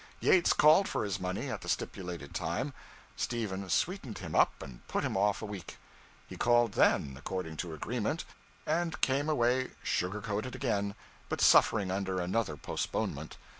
Yates called for his money at the stipulated time; Stephen sweetened him up and put him off a week. He called then, according to agreement, and came away sugar coated again, but suffering under another postponement.